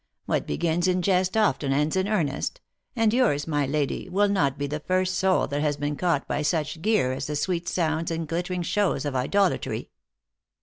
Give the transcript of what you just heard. What begins in jest often ends in earnest ; and yours, my lady, will not be the first soul that has been caught by such gear as the sweet sounds and glittering shows of idolatry."